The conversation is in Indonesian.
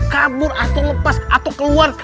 kabur atau lepas atau keluar